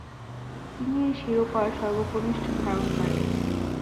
তিনি এই শিরোপার সর্বকনিষ্ঠ ধারণকারী।